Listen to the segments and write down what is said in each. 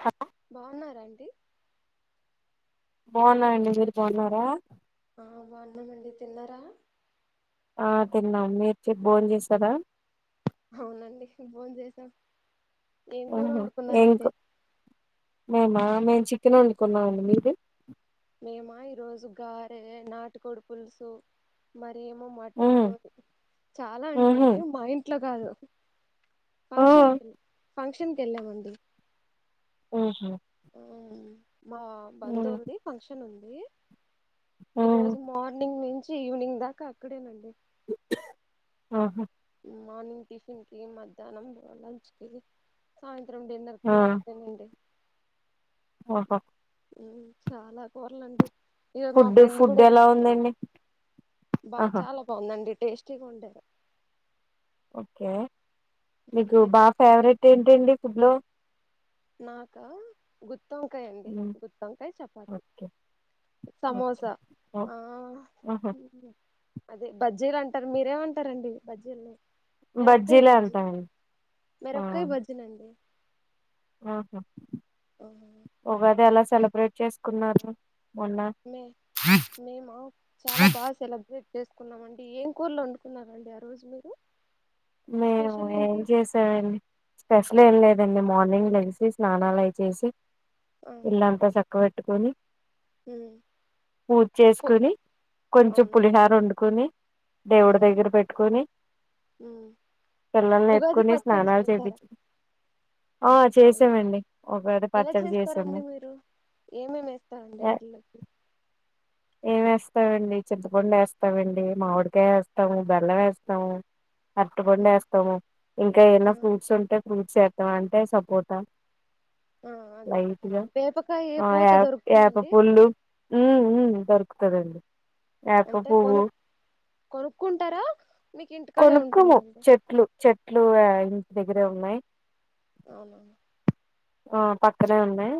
హ బాగున్నార అండి హలో బాగున్నానండి మీరు బాగున్నారా బాగున్నా మండి తిన్నారా ఆ తిన్నాం మీరు చెప్ భోన్ చేసారా అవునండి భోన్ చేసాం ఏం కూర ఆహా ఏం వండుకున్నారండి కు మేమా మేం చికెన్ వండుకున్నామండి మీరు మేమా ఈ రోజు గారే నాటుకోడు పులుసు మ రెమో ఉహు మటను చాలా అండి ఉహు అంటే మా ఇంట్ల కాదు ఆ ఫంక్షన్ ఫంక్షన్ కేల్లామండి ఓహొ మా బంధువుల్దీ ఫంక్షన్ ఉంది. ఉంది. ఉ. ఈ రోజు మార్నింగ్ నుంచ్ ఈవినింగ్ దాకా అక్కడేనండి. ఆహా మార్నింగ్ టిఫిన్ కీ మధ్యాహ్నం లంచ్ కీ ఆయ్ డిన్నర్ ఆ కూడా అంతేనండి. ఆహా చాలా కూరలండి ఈరోజు మా ఫుడ్ ఫ్రెండ్ ఫుడ్ కూడా ఎలా వచ్చిందండి. ఉందండి బా ఆహా చాలా బాగుందండి. టేస్టీ గా ఉంటాది. ఓకే మీకు బాగా ఫేవరెట్ ఏంటి ఏంటి ఫుడ్లో నాకా గు గుత్తవంకాయ అండి. ఉమ్. గుత్తి వంకాయ, చపాతి ఓకే ఓకే సమోసా. ఓ ఆహా అదే బజ్జీలు అంటారు. మీరేమంటారండి బజ్జీల్ని మిరపకాయ్ బజ్జీలే బజ్జీ అంటానండి ఆ మిరపకాయ్ బజ్జీలండీ ఆహా ఆ, ఉగాది అలా సెలబ్రేట్ చేసుకున్నారు. మొన్న మే మేము చాలా బాగా సెలబ్రేట్ చేసుకున్నామండి. ఏం కూరలు వండుకున్నారండి. ఆ రోజు మీరు మేము స్పెషల్ ఏం ఏంటి చేసామండి స్పెషల్ ఏం లేదు అండి మార్నింగ్ లేసి స్నానాలయి చేేసి ఆ, ఇల్లంతా సక పెట్టుకొని ఉమ్, పో- పూజేసుకుని కొంచెం అవునా పులిహర వండుకొని దేవుడి అవునా దగ్గర పెట్టుకొని ఉమ్. పిల్లల్ని ఉగాది ఎత్తుకోని పచ్చడి స్నానాలు చేసారా చేపించి ఆ అవును చేసామండి. ఉగాది ఎలా పచ్చడి చేసాము. చేస్తారండి మీరు ఏమేమి వేస్తారండి వాటిల్లోకి ఏం వేస్తామండి. చింతపండు వేస్తామండి. మామిడికాయ వేస్తాము. బెల్లం వేస్తాము. అరటిపండు ఆహా వేస్తాము. ఇంకా ఆ ఏమనా ఫ్రూట్స్ ఉంటే ఫ్రూట్ చేద్దాం అంటే సపోర్ట ఆ అదే అదే లైట్ గా వేపకాయ ఆ పూత యాప దొరుకుతుందండి యాపాపుల్లలు దొరుకుతద అండి. ఏప అంటే కొను పూవ్వు కొనుక్కుంటారా మీకు ఇంటికాడే కొనుకుము ఉంటుందండి చెట్లు చెట్లు దగ్గరే ఉన్నాయి అవును ఆ పక్కనే ఉన్నాయి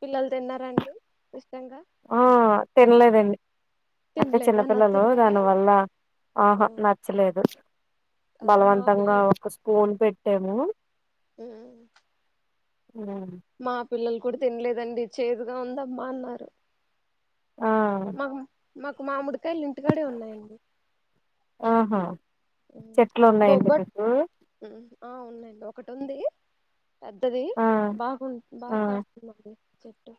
పిల్లలు తిన్నారండి ఇష్టంగా ఆ తినలేదండి అంటే తినలేదా చిన్నపిల్లలు నచ్చదు కదా దానివల్ల ఆ ఆహా నచ్చలేదు అదే మా బలవంతంగా ఒక స్పూన్ పెట్టాము హ అ పిల్లలు కూడా తినలేదండి చేదుగా ఉందమ్మా అన్నారు ఆ మ మాకు మామిడి కాయలు ఇంటికాడే ఉన్నాయండి ఆహా చెట్లు ఉన్నాయండి బొబ్బట్ మీకు ఆ ఉందండీ ఒకటి ఉంది పెద్దది ఆ బాగు బాగా ఆ కాస్తుంది మది చెట్టు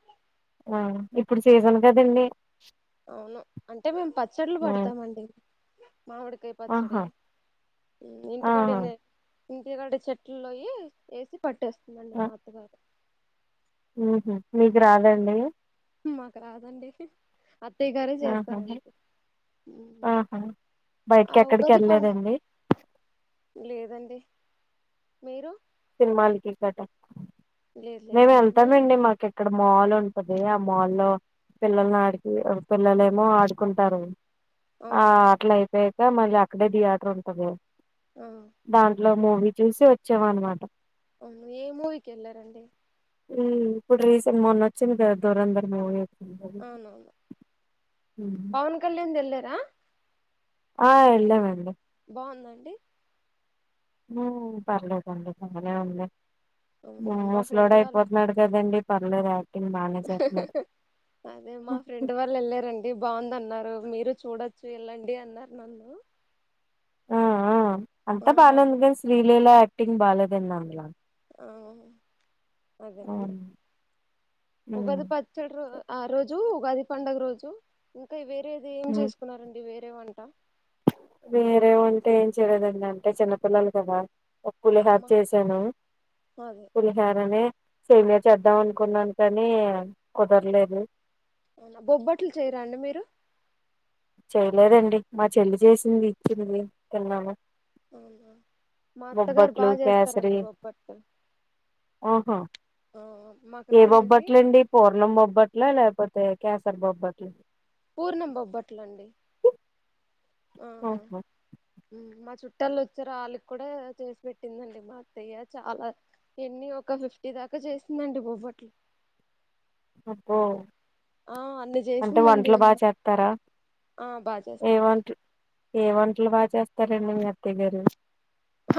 ఆ ఇప్పుడు సీజన్ కదండి అవును అంటే మేము పచ్చట్లు ఆ, పడతామండి మామిడికాయ పచ్చడి ఆహా ఇంటికాడు ఆహా నే ఇంటి కాడ చెట్లలోయి వేసి పట్టేస్తుందండి మా అత్తగారు ఉహ మీకు రాదండి మాకు రాదండి అత్తయ్య గారే ఆహా చేస్తారండి ఆహా బయటకి ఆ ఎక్కడికి ఉగాది పను వెళ్ళలేదండి లేదండి మీరు సినిమాలకి కట లేదు మేము లేదండి మీరు వెళ్తామండి మాకిక్కడ ఇ మాల్ ఉంటది ఆ మాల్లో పిల్లల్ని ఆడికి పిల్లలు ఏమో ఆడుకుంటారు ఆ అవును అట్లా అయిపోయి ఇ మళ్ళీ అక్కడే థీయేటర్ ఉంటుంది ఆ దాంట్లో మూవీ చూసి వచ్చావాలమ్ అనమాట ఏ మూవీకి వెళ్ళారండి ఊ ఇప్పుడు రీసెంట్ మొన్న వచ్చింది దూరంధర్ మూవీ వచ్చింది కదా. అవునవును పవన్ కళ్యాణ్ వెళ్ళే ఆ ఆ వెళ్ళాం అండి బాగుందండి హ పర్లేదు అండి బానే ఉంది అవునా మా ముూసలోడు ఫ్రెండ్ అయిపోతున్నాడు కదండి. పర్లేదు రా అదే మా ఫ్రెండ్ వాళ్ళు వెళ్ళారండి బాగుందన్నారు మీరు మీరు చూడొచ్చు వెళ్ళండి అన్నారు నన్ను అంత ఆ మా బానే ఉంది కానీ శ్రీలీల యాక్ట్ టింగ్ బాలేదు అండి అందుల ఆ ఆ, అదేనండి హ్మ్, ఉగాది పచ్చెడు ర ఆ రోజు ఉగాది పండుగ రోజు ఇంకా వేరు. ది ఏం హ్మ్. చేసుకున్నారండి వేరు ఎ వంట వేరే వంటే ఏం చేయలేదండి అంటే చిన్నపిల్లలు కదా ఒక పులిహోర అమ్మ చేసాను అదే పులిహోర నే సేమ్యా చేద్దాం అనుకున్నాను కానీ కుదార్లేదు అవున బొబ్బట్లు చేయరా అండి మీరు చేయలేదండి మా చెల్లి చేసింది ఇచ్చింది తిన్నాము. అవునా మా అత్తగారు బొబ్బట్లు బాగా కేసరీ చేస్తారండి బొబ్బట్లు ఆహా ఆ మాకు ఏ రాదు కాని బొబ్బట్లుండి పూర్ణం బొబ్బట్లా లేకపోతే కేసరి బొబ్బట్లు పూర్ణం బొబ్బట్లుండి ఆహా మా చు చూట్టలు వచ్చి రాలికి కూడా చేసి పెట్టిందండి మా అత్తయ్య చాలా ఎన్ని ఒక ఫిఫ్టీ దాకా చేసిందండి బొబ్బట్లు. అబ్బో ఆ అన్ని అంటే చేసిందండి వంటలు మా బాగా చేస్తారా ఆ బాగా ఏ చేస్తారండి. వంటలు ఏ వంటలు బాగా చేస్తారండి మీ అత్తయ్య గారు.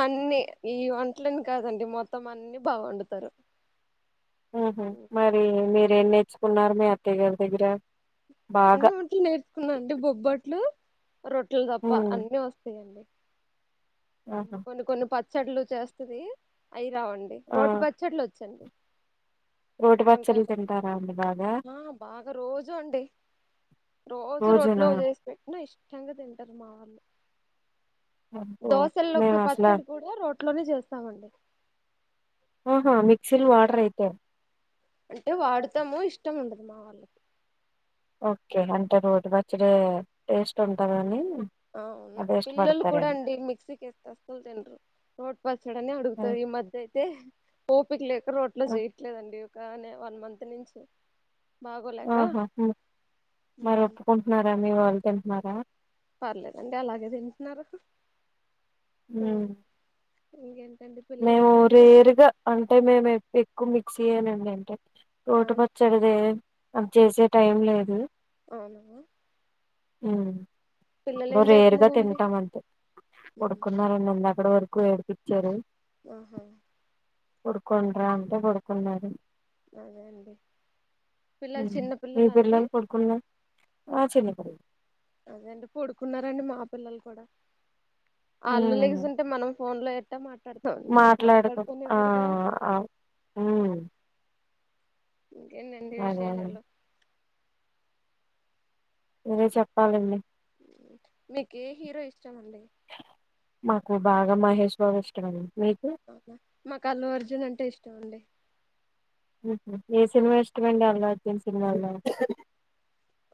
అన్ని ఈ వంటలని కాదండి మొత్తం అన్ని బాగా వండుతారు ఉహు మరి మీరే ఏం నేర్చు కున్నారు మీ అత్తయ్య దగ్గర అన్ని బాగా [unintelligible] నేర్చుకున్నా అండి బొబ్బట్లు రొట్లు దప్ప ఉమ్ అన్నీ వస్తాయి. ఆహా! కొన్ని కొన్ని ప పచ్చట్లు చేస్తాది అయి రావండి ఆ! రోటి పచ్చట్లు వచ్చండి. రోటి వంకాయ పచ్చళ్ళు [unintelligible] తింటారా అండి బాగా? ఆ బాగా రోజు అండి రోజు రోజునా? రోట్లో చేసి పెట్టినా ఇష్టం [unintelligible] తింటారు మా వాళ్ళు వంటో లోకి పచ్చడి కూడా రోట్ లోనే చేస్తాం. మండి ఆహా మిక్సీల్ వాడ్రా అయితే. అంటే వాడుతాము. ఇష్టం ఉండదు మా వాళ్ళకి. ఓకే అంటే రోటి పచ్చడి టేస్ట్ ఉంటాదని. అవును పిల్లలు కూడా అండి. మిక్సీకి ఇస్తేసలు తిన్రు. రోట్ పచ్చడనే హ్మ్. అడుగుతారు ఈ మధ్య అయితే. ఓపిక లేక్ రోట్ లో హ్మ్. చేయట్లేదండి. కానే వన్ మంత్ నుంచి. బాగోలేక ఆహా మరి ఉమ్, ఒప్పుకుంట్న్రా మీ వాళ్ త్ మాదా పర్లేదండి అలాగే తింటున్నారు. ఉహ్ ఇగేన్ మేము రేరుగా అంటే మేము ఎక్కువ మీ క్షియనండి అంటే రో ట్ అవును పచ్చడదే అది చేసే టైం లేదు. అవున ఉహ్మ్ ఇప్పుడు రేరుగా చేస్తున్నారండి తింటాం అంతే. ఉమ్, పడుకున్నారంందు అక్కడ వ ఎక్కువ వడికిచ్చారు. ఆహ్ హా పడుకుండ్రా అంటే పడుకున్నారు. అదే అండి. పిల్లలు చిన్న మీ పిల్లలండి? పిల్లలు పడుకున్నారు ఆ చిన్న పిల్లల్ అదే అండి. పడుకున్నరాండి మా పిల్లలు కూడా అల్లు లేగిసింటే మనం ఫోన్ లో ఎట్టమాట్ మాట్లాడుకొని ఆహ్ ఉహ్మ్ ఇంకేండండి అదే విశేషాలు ఇరే సేప్పాలండి. మీకే ఏ హీరో ఇష్టమండి. మాకు బాగా మహేష్ బాబు ఇష్టమండి. మీకు అవునా మాక్ అల్లు అర్జున్ అంటే ఇష్ [unintelligible] ఏ సినిమా ఇష్టమండి, అల్లా అర్జున్ వచ్చిన సినిమాలో?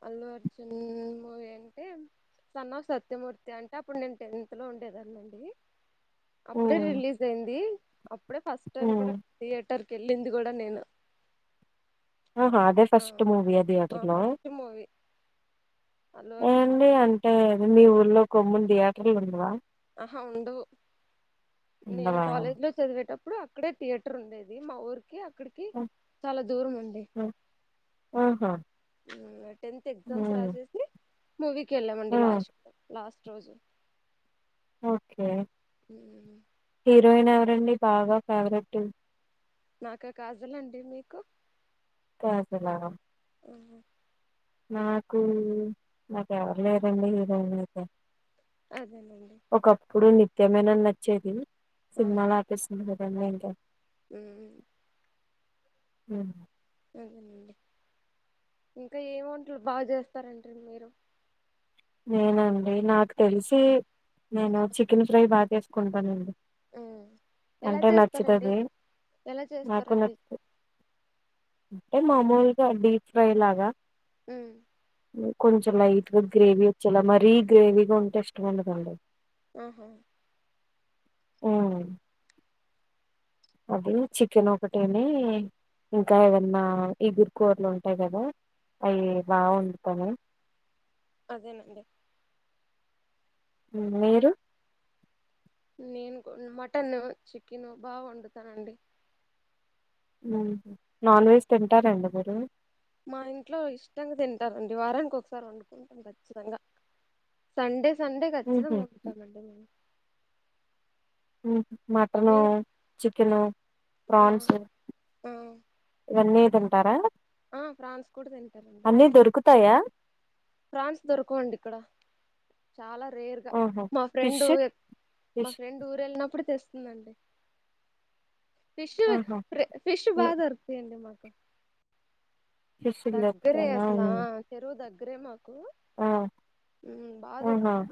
అల్లు అర్జున్ మూవీ అంటే, సన్నాఫ్ సత్యమూర్తి అంటే అప్పుడు నేను టెన్త్ లో ఉండేదానండి. అప్పుడే ఉమ్ రిలీజ్ అయింది. అప్పుడే ఫస్ట్ టైం ఉమ్ కూడా థియేటర్ వెళ్ళింది కూడా నేను ఆహా అదే ఆ ఫస్ట్ మూవీయా ఆ థియేటర్ లో, ఫస్ట్ మూవీ అల్లు అర్జున్ ఏండి అంటే మీ ఊర్లో కొమ్ముం థియేటర్లు ఉండవా? ఆహా ఉండవు, నేను ఉండవా కాలేజ్ లో చదివేటప్పుడు ఇప్పుడు అక్కడే థియేటర్ ఉండేది, మా ఊర్ కి అక్కడికి చాలా దూరం అండి. ఆహా ఆహా. ఉ టెన్త్ ఎగ్జామ్స్ ఉమ్ రాసేసి మూవీ కేళ్ళమండి ఆ లాస్ట్ లాస్ రోజు ఓకే హీరోయిన్ ఎవరండి బాగా ఫేవరెట్టు నాక కాజలండి మీకు కాజల నాకు నాకు ఎవరు లేరండి, హీరోయిన్ అయితే అదేనండి ఒకప్పుడు నిత్యమీనన్ నచ్చేది. సినిమాలు ఆపేసింది కదా పెళ్లా ఇంకా మ్మ్ హ్మ్ ఇంకా ఏం వంటలు బాగా చేస్తారంటడి మీరు. నేనండి నాకు తెలిసి, నేను చికెన్ ఫ్రై బాగా చేసుకుంటానండి. ఎలా అంటే చేస్తారండి నచ్చుతది ఎలా నాకు చేస్తారండి నచ్ అంటే మామూలుగా డీప్ ఫ్రై లాగా. కొంచెం లైట్ గా గ్రేవి చల మరీ గ్రేవిగా ఉంటే ఇష్టం ఉండదండి. ఆహ మ్మ్ అది చికెన్ ఒకటేని ఇంకా ఏదన్నా ఈగురుకూరలు ఉంటాయి కదా, అయి బా వండుతను. అదేనండి మీరు? నేను కు మటను, చికెను బా వండుతానండి. ఉ నాన్ వెజ్ తింటారండి మీరు మ్ మా ఇంట్లో ఇష్టంగా తింటారండి వారానికి ఒకసారి వండుకుంటాం ఖచ్చితంగా సండే సండే కచ్చితంగా ఉహు వండుతానండి నేను ఉ మటను మీరు చే చికను ఆ ఫ్రాన్స్ ఆ ఇవ్వని తింటారా ఆ ప్రాన్స్ కూడా తింటారండి అన్ని దొరుకుతాయా ప్రాన్స్ దొరకవండి ఇక్కడ చాలా రేర్ గా ఆహా మా ఫ్రెండు ఫిష్ మా ఫిష్ ఫ్రెండ్ ఊరు వెళ్ళినప్పుడు తెస్ తినండి ఫిష్ ఆహా ఫిష్ బాగా దొరుకుతాయాండి మా ఫిష్ దగ్గరే దొరుకుతాయా అసలా హ్మ్. చెరువు దగ్ గ్రేమ ఆ హ్మ్ బా ఆహా దొరుకుతాయి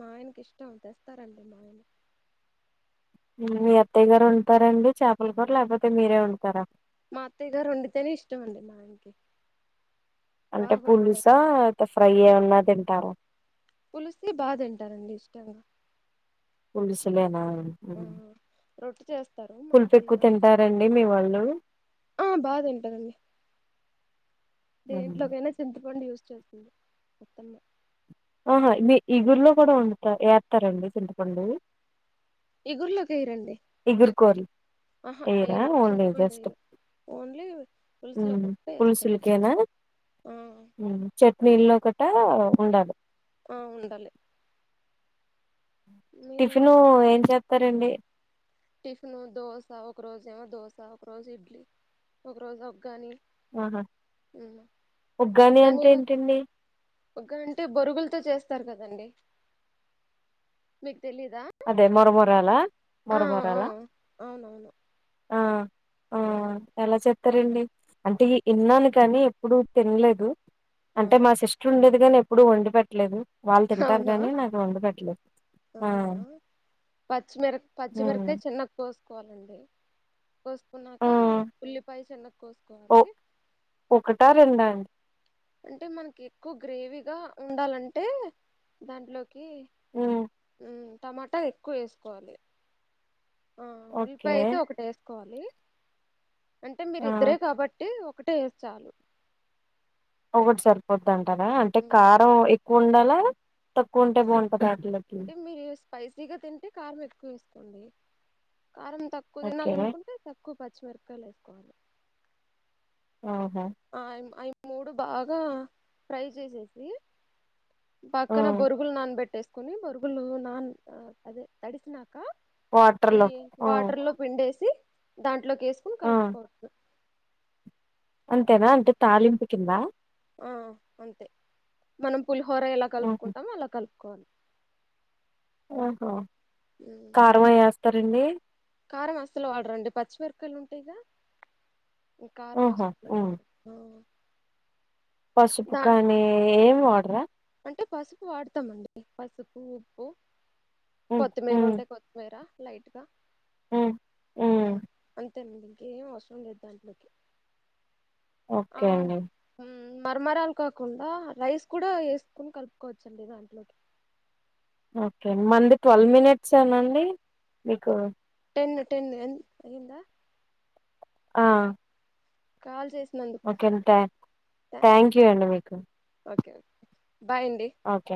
మా ఆయన ఇష్టం తెస్తారండి మాఆయన మీ అత్తయ్య గారు వండుతారా అండి చేపల కూర లేకపోతే మీరే వండుతారా మా అత్తయ్య గారు వండితేనే ఇష్టం అండి మాఆయనకి అంటే పులుసా ఐతే ఫ్రై ఏమైనా తిం టారు పులుసే బా తింటారండి ఇష్టంగా పుల్సులేనా పులుపు ఎక్కువ తింటారండి మీ వాళ్ళు ఆ బా తింటారండి హ్మ్. దేంట్లోకైనా చింత పండు యూజ్ చేస్తుంది అత్తమ్మ ఆహా మీ ఇగురిలో కూడా వండుత ఏత్తారండి చింతపండు ఇగుర్లోకి ఏయరండి ఇగుర్కోర్లు ఏయరా ఎయ్యరు ఓన్లీ చింతపండు జస్ట్ ఎయ్యరు ఓన్లీ పులుసులో మ్ ఒకటే ఏస్తారు పులుసుల్కేనా ఆ చట్నీ ఒకట ఉండాలి ఆ ఉండాలి టిఫిన్ మీరండి ఏం చెప్ సరెండి టిఫిన్ దోశ ఒక రోజ ఏమో దోశ ఒక రోజు ఇడ్లీ ఒక రోజు ఉగ్గాని ఆహా ఉగ్గాని అంటే ఏంటండి ఒకంటే బొరుగులతో చేస్తారు కదండి మీకు తెలిదా మార్మురాల ఆ మార్మురాల అవునవును ఆ ఆ ఎలా చెస్ స్తారండి అంటే విన్నాను కానీ ఎప్పుడు తినలేదు ఆ అంటే మా సిస్టర్ ఉండేది అందుకని ఎప్పుడు వండి పెట్టలేదు వాళ్ళు తింటారు అవునా గానీ నాకు వండి పెట్టలేదు ఆ పచ్చిమిరక్ మ్మ్ పచ్చిమిరకాయ చిన్న కో చూసుకోవాలండి కోసుకున్నాక ఆ ఉల్లిపాయ సన్నగ ఓ కోసుకోవాలి ఒకటా రెండా అండి అంటే మనకి ఎక్కువ గ్రేవీగా ఉండాలంటే దాంట్లోకి ఉం మ్ టమాటా ఎక్కువ వేసుకోవాలి ఆ ఓకే ఉల్లిపాయ అయితే ఒకటే ఏసు కోవాలి అంటే ఆ మీరిద్దరే కాబట్టి ఒక టే చాలు ఒకటి సరిపోద్దా అన్ టారా అంటే మ్ కారం ఎక్కువ ఉండ లా తక్కువ ఉంటే బాగుంట అంటే మీరు స్పైసీగా తింటే కారం ఎక్కువ వేసుకోండి కారం తక్కువ ఓకే తినాలనుకుంటే తక్కువ పచ్చిమిరపకాయలు వేసుకోవాలి ఆహా ఆ అయిఉమ్ మూడు బాగా ఫ్రై చేసేసి ఆ పక్కన బోరు గుల్ నాన పెట్టేస్ కొన్ని బొరుగులు నాన్పె అదే తడిపినాక వాటర్లో అయ్యి ఆ వాటర్ లో పిండేసి దాన్ ట్లోకేసుకుని ఆ కలుపుకోవాలి అంతేనా అంటే తాలింపు కింద ఆ అంతే మనం పులిహోర ఎలా ఆహా కలుపుకుంటామో అలా కలుపుకోవాలి ఆహా కరువు అయి వస్తా ఏందీ కారం అస్సలు వాడరండి పచ్చిమిరకాయలు ఉంటాయిగా కారం ఆహా అసలు ఉమ్ ఆ పసుపు దా కాని ఏమి వాడరా అంటే పసుపు వాడతామండి పసుపు ఉప్పు కొత్తిమీర ఉంటే కొత్తిమీర లైట్ గా ఊ ఊ అంతే ఇంకేం అవసరం లేదు దాంట్లోకి ఆ ఓకే అండి మరమరాలు కాకుండా రైస్ కూడా కుని కలుపుకోవచ్చండి దాంట్లోకి ఓకే మంది ట్వెల్వ్ మినిట్స్ ఏనాండి మీకు టెన్ టెన్ ఎంత అయిందా ఆ కాల్ చేసి ఓకే అండి తా థ్యాంక్ యూ అండి మీకు ఓకే ఓకే బాయ్ అండి ఓకే